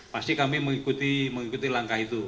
pasti kami mengikuti langkah itu